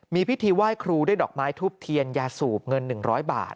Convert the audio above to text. มีพิธีไหว้ครูด้วยดอกไม้ทุบเทียนยาสูบเงิน๑๐๐บาท